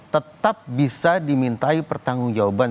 tetap bisa dimintai pertanggung jawaban